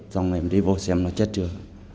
xong rồi em đi vô xem nó chết chưa